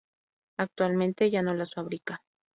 Actualmente ya no las fabrica.